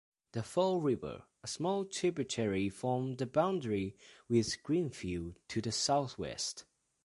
The Fall River, a small tributary, forms the boundary with Greenfield to the southwest.